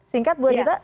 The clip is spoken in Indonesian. singkat bu adita